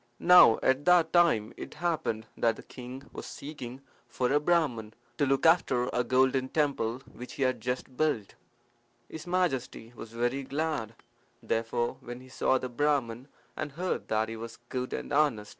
Now at that time it happened that the king was seeking for a Brahman to look after a golden temple which he had just had built. His Majesty was very glad, therefore, when he saw the Brahman and heard that he was good and honest.